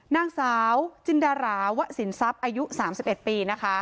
นางสาวจินดาราวะสินทรัพย์อายุ๓๑ปีนะคะ